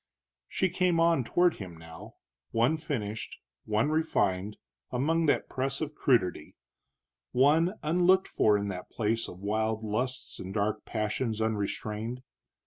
She came on toward him now, one finished, one refined, among that press of crudity, one unlooked for in that place of wild lusts and dark passions unrestrained.